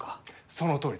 そのとおりだ！